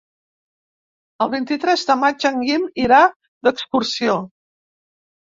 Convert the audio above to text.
El vint-i-tres de maig en Guim irà d'excursió.